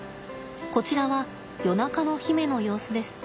こちらは夜中の媛の様子です。